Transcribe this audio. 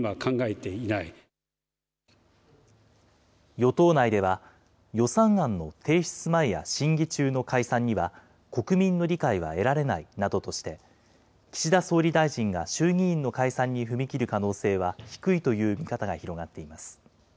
与党内では、予算案の提出前や審議中の解散には国民の理解は得られないなどとして、岸田総理大臣が衆議院の解散に踏み切る可能性は低いという見方が広がっています。